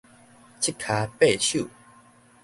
七跤八手